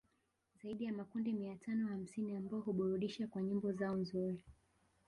Zaidi ya makundi mia tano hamsini ambao huburudisha kwa nyimbo zao nzuri